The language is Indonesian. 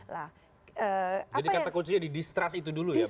jadi kata kuncinya di distrust itu dulu ya